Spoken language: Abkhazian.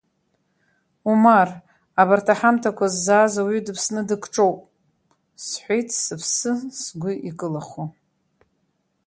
Умар, абарҭ аҳамҭақәа ззааз ауаҩы дыԥсны дыкҿоуп, — сҳәеит, сыԥсы сгәы икылахо.